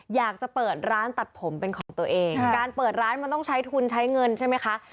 อยากจะเปิดร้านตัดผมเป็นของตัวเองการเปิดร้านมันต้องใช้ทุนใช้เงินใช่ไหมคะ